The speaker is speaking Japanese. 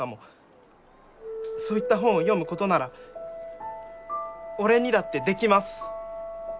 そういった本を読むことなら俺にだってできます！